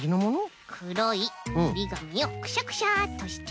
くろいおりがみをクシャクシャっとして。